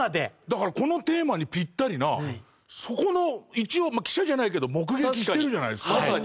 だからこのテーマにピッタリなそこの一応記者じゃないけど目撃してるじゃないですか。